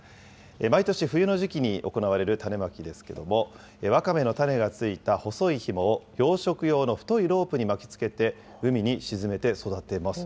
毎年冬の時期に行われる種まきですけれども、ワカメの種がついた細いひもを養殖用の太いロープに巻きつけて、海に沈めて育てます。